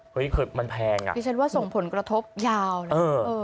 เฮ้ยคือมันแพงอ่ะดิฉันว่าส่งผลกระทบยาวนะเออ